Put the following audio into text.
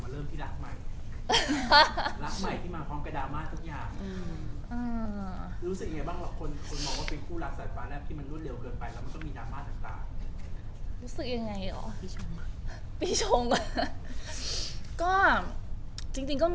เรามาเริ่มที่รักใหม่